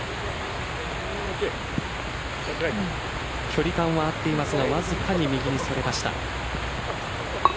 距離感は合っていますがわずかに右にそれました。